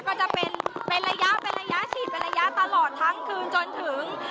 ก็จะเป็นระยะเป็นระยะฉีดเป็นระยะตลอดทั้งคืนจนถึง